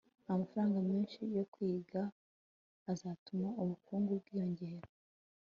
amafaranga menshi yo kwiga azatuma ubukungu bwiyongera